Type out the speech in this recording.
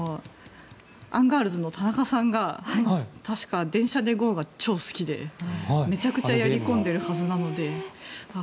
アンガールズの田中さんが確か「電車でＧＯ！」が超好きで、めちゃくちゃやり込んでいるはずなので。